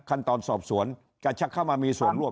ขั้นตอนสอบสวนจะชักเข้ามามีส่วนร่วม